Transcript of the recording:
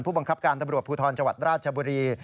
ผู้บังคับการตำรวจภูทรจังหวัดราชบุรี